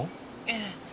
ええ。